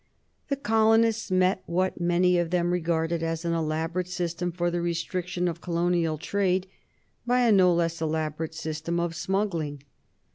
The colonists met what many of them regarded as an elaborate system for the restriction of colonial trade by a no less elaborate system of smuggling.